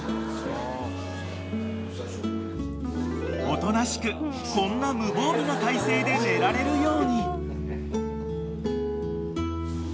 ［おとなしくこんな無防備な体勢で寝られるように］